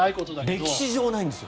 歴史上ないんですよ。